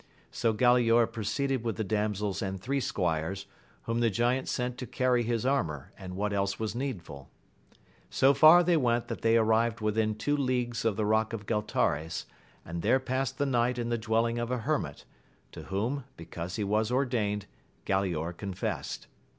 So Galaor proceeded with the damsels and three squires, whom the giant sent to carry his armour and what else was needful So far they went that they arrived within two leagues of the rock of Galtares, and there passed the night in the dwelling of a hermit, to whom, be cause he was ordained, Galaor confessed.